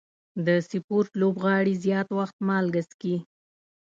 د سپورټ لوبغاړي زیات وخت مالګه څښي.